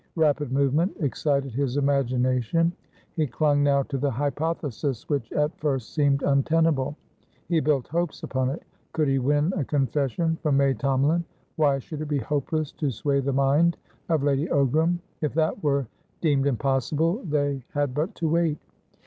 Rapid movement excited his imagination; he clung now to the hypothesis which at first seemed untenable; he built hopes upon it. Could he win a confession from May Tomalin, why should it be hopeless to sway the mind of Lady Ogram? If that were deemed impossible, they had but to wait.